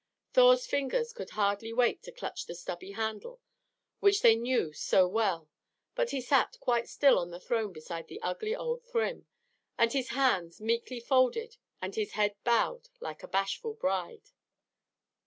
Thor's fingers could hardly wait to clutch the stubby handle which they knew so well; but he sat quite still on the throne beside ugly old Thrym, with his hands meekly folded and his head bowed like a bashful bride.